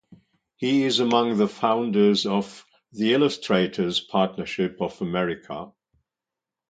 He is among the founders of The Illustrators' Partnership of America.